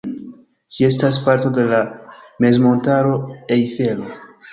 Ĝi estas parto de la mezmontaro Ejfelo.